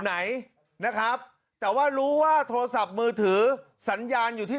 ไหนนะครับแต่ว่ารู้ว่าโทรศัพท์มือถือสัญญาณอยู่ที่